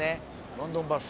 ロンドンバス。